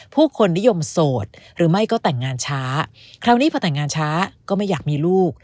ผู้คนนิยมโสดหรือไม่ก็แต่งงานช้าคราวนี้พอแต่งงานช้าก็ไม่อยากมีลูก